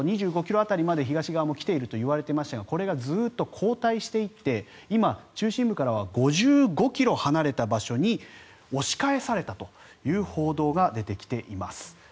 ２５ｋｍ辺りまで東側も来ているといわれていましたがこれがずっと後退していって今、中心部からは５５ｋｍ離れた場所に押し返されたという報道が出てきています。